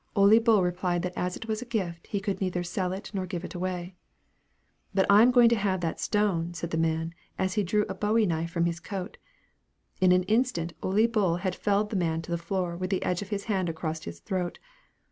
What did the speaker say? Ole Bull replied that as it was a gift, he could neither sell it nor give it away. "But I am going to have that stone!" said the man as he drew a bowie knife from his coat. In an instant Ole Bull had felled the man to the floor with the edge of his hand across his throat.